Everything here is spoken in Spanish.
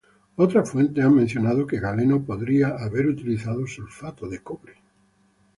Otras fuentes han mencionado que Galeno podría haber utilizado sulfato de cobre.